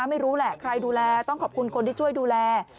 ไม่รู้แหละใครดูแลต้องขอบคุณคนที่ช่วยดูแล